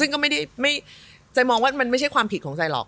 ซึ่งก็ไม่ได้ใจมองว่ามันไม่ใช่ความผิดของใจหรอก